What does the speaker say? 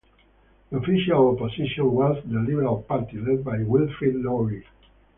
The Official Opposition was the Liberal Party, led by Wilfrid Laurier.